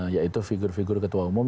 yaitu figur figur ketua umum